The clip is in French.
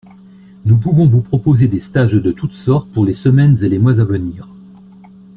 Nous pouvons vous proposer des stages de toutes sortes pour les semaines et les mois à venir.